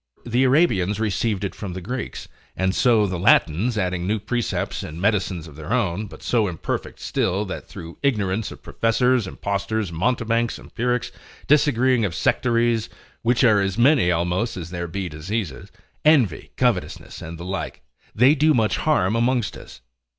The Arabians received it from the Greeks, and so the Latins, adding new precepts and medicines of their own, but so imperfect still, that through ignorance of professors, impostors, mountebanks, empirics, disagreeing of sectaries, (which are as many almost as there be diseases) envy, covetousness, and the like, they do much harm amongst us.